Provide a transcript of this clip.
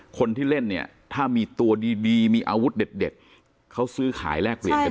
คนที่เล่นเนี่ยถ้ามีตัวดีมีอาวุธเด็ดเขาซื้อขายแลกเปลี่ยนกัน